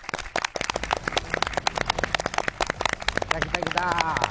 来た来た来た。